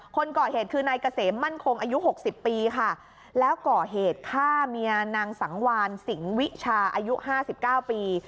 คนก่อเหตุคือนายเกษมมั่นคงอายุ๖๐ปีค่ะแล้วก่อเหตุฆ่าเมียนางสังวานสิงหวิชาอายุ๕๙ปี